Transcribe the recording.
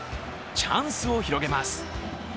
チャンスを広げます。